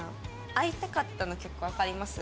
『会いたかった』の曲わかります？